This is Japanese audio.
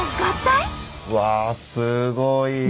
うわすごい！